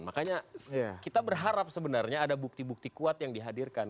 makanya kita berharap sebenarnya ada bukti bukti kuat yang dihadirkan